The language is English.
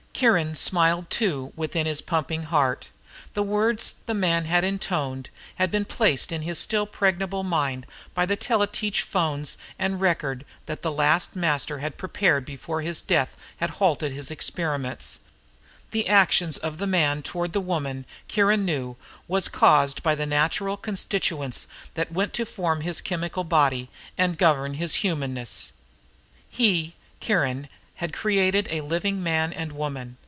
Kiron smiled too within his pumping heart. The words the Man had intoned had been placed in his still pregnable mind by the tele teach phones and record that the last Master had prepared before death had halted his experiments. The actions of the Man toward the Woman, Kiron knew, was caused by the natural constituents that went to form his chemical body and govern his humanness. He, Kiron, had created a living man and woman.